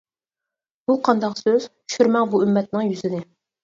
بۇ قانداق سۈز چۈشۈرمەڭ بۇ ئۈممەتنىڭ يۈزىنى.